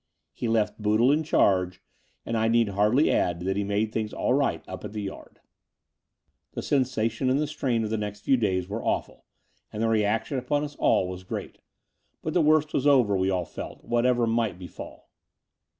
He left Boodle in charge; and I need hardly add that he made things all right up at the Yard. XVII The sensation and the strain of the next few days were awful, and the reaction upon all of us great : 300 The Door of the Unreal but the worst was over, we all felt, whatever might befall.